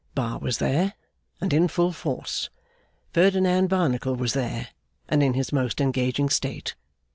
Bar was there, and in full force. Ferdinand Barnacle was there, and in his most engaging state.